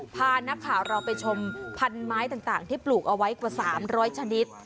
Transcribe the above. พานักข่าวเราไปชมพันไม้ต่างที่ปลูกเอาไว้กว่า๓๐๐ชนิด